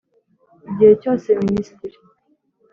igihe cyose minisitiri